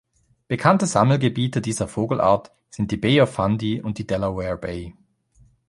Bekannte Sammelgebiete dieser Vogelart sind die Bay of Fundy und die Delaware Bay.